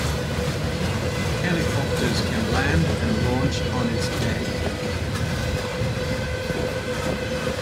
Helicopters can land and launch on its deck.